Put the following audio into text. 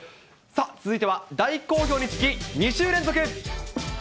さあ、続いては大好評につき、２週連続。